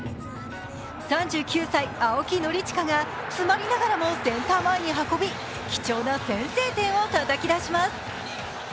３９歳、青木宣親が詰まりながらもセンター前に運び、貴重な先制点をたたき出します。